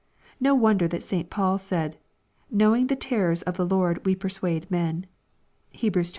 No wonder that St. Paul said, " Know ing the terrors of the Lord we persuade men." (Heb, xii.